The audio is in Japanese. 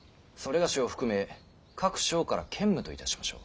某を含め各省から兼務といたしましょう。